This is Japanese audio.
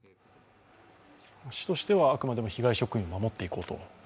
市としては、あくまでも被害職員を守っていこうと。